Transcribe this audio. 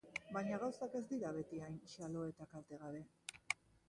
Baina gauzak ez dira beti hain xalo eta kaltegabe.